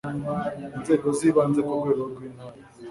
inzego zibanze ku rwego rw intara